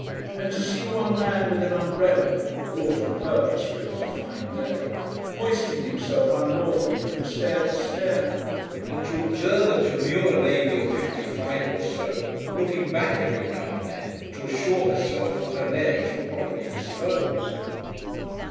And to see one man with an umbrella (brought on purpose, for it was a fine day) hoisting himself, unlawfully, from stair to stair! And to observe a demure lady of fifty five or so, looking back, every now and then, to assure herself that her legs were properly disposed!